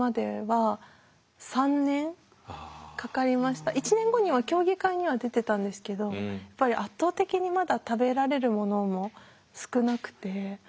やっぱり１年後には競技会には出てたんですけどやっぱり圧倒的にまだ食べられるものも少なくて。